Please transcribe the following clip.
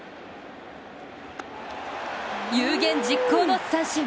有言実行の三振！